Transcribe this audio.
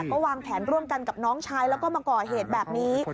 ก็วางแผนร่วมกันกับน้องชายแล้วก็มาก่อเหตุแบบนี้